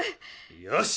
よし！